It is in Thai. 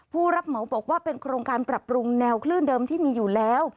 ผู้รับเหมาบอกว่าเป็นโครงการปรับปรุงแนวคลื่นเดิมที่มีอยู่แล้ว